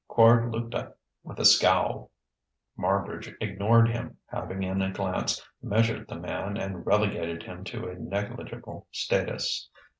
Quard looked up with a scowl. Marbridge ignored him, having in a glance measured the man and relegated him to a negligible status.